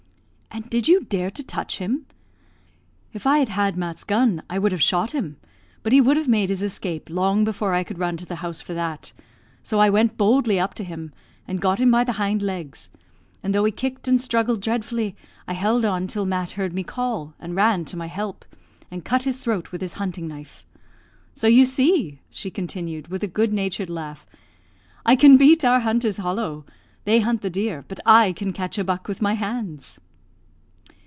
"And did you dare to touch him?" "If I had had Mat's gun I would have shot him, but he would have made his escape long before I could run to the house for that, so I went boldly up to him and got him by the hind legs; and though he kicked and struggled dreadfully, I held on till Mat heard me call, and ran to my help, and cut his throat with his hunting knife. So you see," she continued, with a good natured laugh, "I can beat our hunters hollow they hunt the deer, but I can catch a buck with my hands."